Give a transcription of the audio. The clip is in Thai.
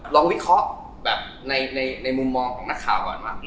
วิเคราะห์แบบในมุมมองของนักข่าวก่อนว่า